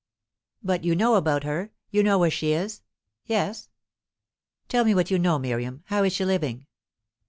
"But you know about her? You know where she is?" "Yes." "Tell me what you know, Miriam. How is she living?"